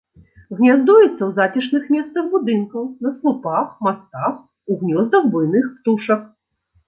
Гняздуецца ў зацішных месцах будынкаў, на слупах, мастах, у гнёздах буйных птушак.